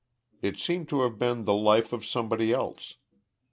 It seemed to have been the life of somebody else.